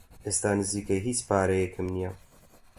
ئێستا نزیکەی هیچ پارەیەکم نییە.